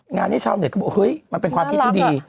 งานนี้ชาวเน็ตก็บอกเฮ้ยมันเป็นความคิดที่ดี